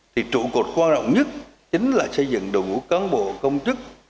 thì trụ cột quan trọng nhất chính là xây dựng đội ngũ cán bộ công chức